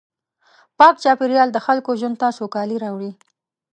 پاک چاپېریال د خلکو ژوند ته سوکالي راوړي.